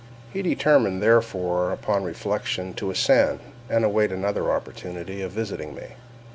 He determined, therefore, upon reflection, to ascend, and await another opportunity of visiting me.